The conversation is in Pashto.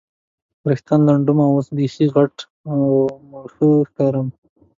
وریښتان نه لنډوم، اوس بیخي غټه او مړوښه ښکارم.